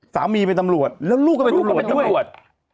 ตำรวจเป็นตำรวจแล้วลูกก็เป็นตำรวจด้วย